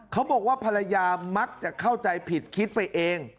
เขาบอกว่าภรรยามักจะเข้าใจผิดคิดไปเอง